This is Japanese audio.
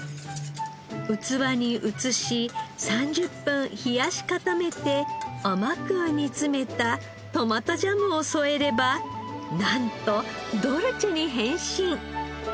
器に移し３０分冷やし固めて甘く煮詰めたトマトジャムを添えればなんとドルチェに変身。